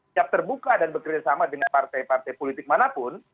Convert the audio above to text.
siap terbuka dan bekerjasama dengan partai partai politik manapun